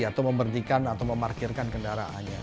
atau membertikan atau memarkirkan kendaraannya